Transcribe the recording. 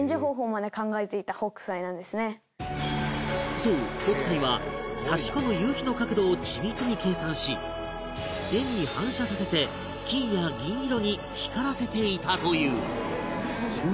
そう北斎は差し込む夕陽の角度を緻密に計算し絵に反射させて金や銀色に光らせていたという